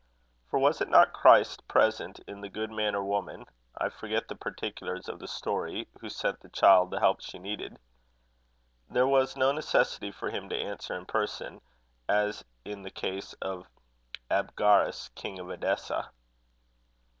For was it not Christ present in the good man or woman I forget the particulars of the story who sent the child the help she needed? There was no necessity for him to answer in person, as in the case of Abgarus, king of Edessa.